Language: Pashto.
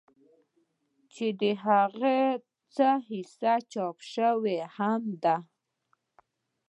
چې د هغې څۀ حصه چاپ شوې هم ده